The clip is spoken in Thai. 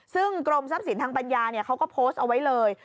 ซึ่งกรมทรัพย์สินทางปัญญาเขาก็โพสต์เอาไว้เลย